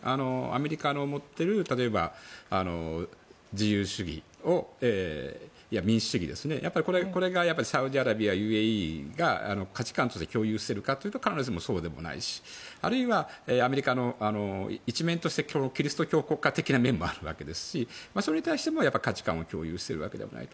アメリカの持っている民主主義をサウジアラビアやＵＡＥが価値観として共有しているかというと必ずしもそうでもないしあるいはアメリカの一面としてキリスト教国家的な面もありますしそれに対しても価値観は共有しているわけでもない。